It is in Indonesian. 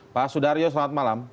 pak sudario selamat malam